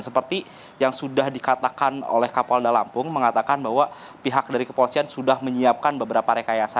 seperti yang sudah dikatakan oleh kapolda lampung mengatakan bahwa pihak dari kepolisian sudah menyiapkan beberapa rekayasa